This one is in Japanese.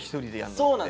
そうなんですよ。